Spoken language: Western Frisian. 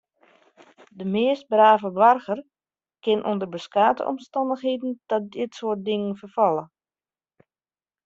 De meast brave boarger kin ûnder beskate omstannichheden ta dit soart dingen ferfalle.